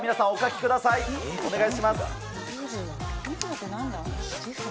さあ、お書きください。